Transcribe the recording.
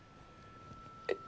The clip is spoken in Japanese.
えっ？